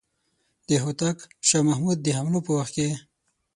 د هوتک شاه محمود د حملو په وخت کې.